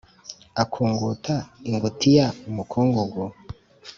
akunguta ingutiya umukungugu